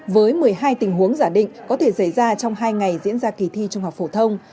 với một mươi hai tình huống giả định có thể xảy ra trong hai ngày diễn ra kỳ thi trung học phổ thông